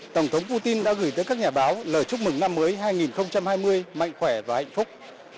tổng thống putin đã gửi tới các nhà báo lời chúc mừng năm mới hai nghìn hai mươi mạnh khỏe và hạnh phúc